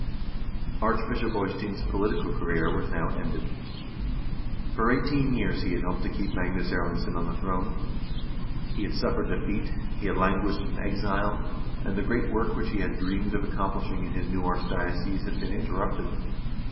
Archbishop Eystein's political career was now ended. For eight een years he had helped to keep Magnus Erlingsson on the throne. He had suffered defeat, he had languished in exile, and the great work which he had dreamed of accomplishing in his new archdiocese had been interrupted.